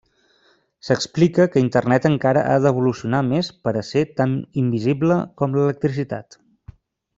S'explica que internet encara ha d'evolucionar més per a ser tan invisible com l'electricitat.